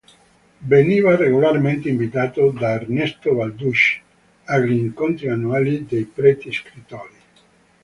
Veniva regolarmente invitato da Ernesto Balducci agli incontri annuali dei preti scrittori.